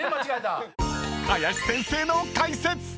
［林先生の解説！］